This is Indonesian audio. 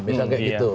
misalnya kayak gitu